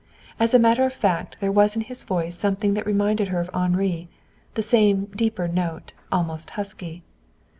As a matter of fact there was in his voice something that reminded her of Henri, the same deeper note, almost husky.